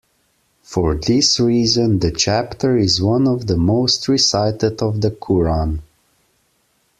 For this reason, the chapter is one of the most recited of the Quran.